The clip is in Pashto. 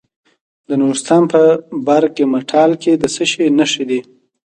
د نورستان په برګ مټال کې د څه شي نښې دي؟